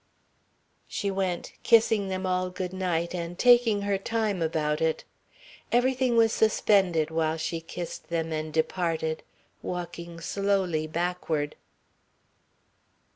She went, kissing them all good night and taking her time about it. Everything was suspended while she kissed them and departed, walking slowly backward.